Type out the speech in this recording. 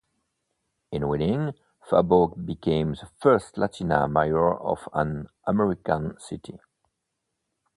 In winning, Fargo became the first Latina mayor of an American city.